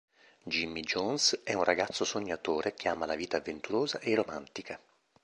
Jimmie Jones è un ragazzo sognatore che ama la vita avventurosa e romantica.